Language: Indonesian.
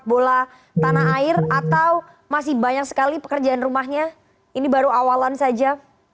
bola tanah air atau masih banyak sekali pekerjaan rumahnya ini baru awalan saja